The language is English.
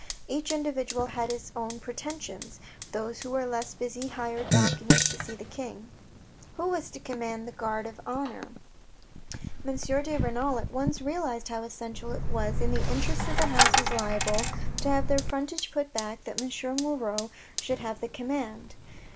Each individual had his own pretensions; those who were less busy hired balconies to see the King. Who was to command the Guard of Honour? M. de Renal at once realised how essential it was in the interests of the houses liable to have their frontage put back that M. Moirod should have the command.